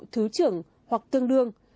thứ trưởng hoặc tương đương